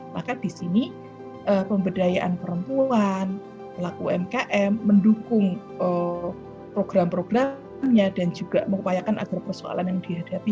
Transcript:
maka di sini pemberdayaan perempuan pelaku umkm mendukung program programnya dan juga mengupayakan agar persoalan yang dihadapi